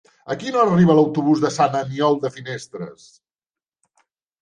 A quina hora arriba l'autobús de Sant Aniol de Finestres?